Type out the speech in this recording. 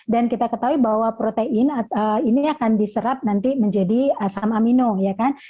dan kita ketahui bahwa protein ini akan diserap nanti menjadi asam amino ya kan